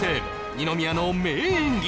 二宮の名演技